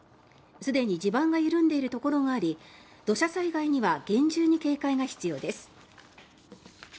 すでに地盤が緩んでいるところがあり土砂災害には厳重に警戒が必要です。